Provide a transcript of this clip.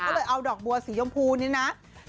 ก็เลยเอาดอกบัวสียมพูนี่นะ